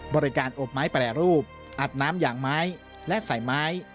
บริการอบไม้แปรรูปอัดน้ำอย่างไม้และใส่ไม้